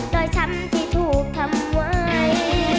โดยคำที่ถูกทำไว้